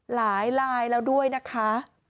ลายแล้วด้วยนะคะ